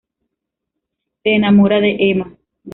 Se enamora de Ema.